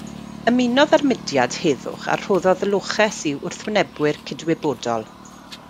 Ymunodd â'r mudiad heddwch a rhoddodd loches i wrthwynebwyr cydwybodol.